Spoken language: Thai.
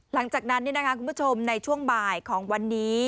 หลังจากนั้นคุณผู้ชมในช่วงบ่ายของวันนี้